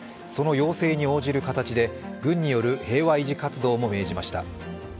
その要請に応じる形で軍による平和維持活動も命じました。